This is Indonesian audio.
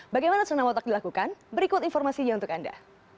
bagaimana senam otak dilakukan berikut informasinya untuk anda